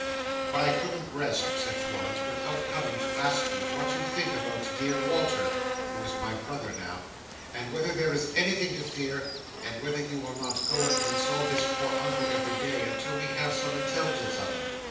"But I couldn't rest," said Florence, "without coming to ask you what you think about dear Walter—who is my brother now—and whether there is anything to fear, and whether you will not go and console his poor Uncle every day, until we have some intelligence of him?"